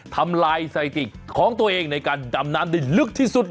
ทำลายสถิติของตัวเองในการดำน้ำได้ลึกที่สุด